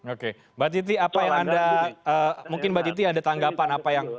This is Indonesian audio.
oke mbak titi apa yang anda mungkin mbak titi ada tanggapan apa yang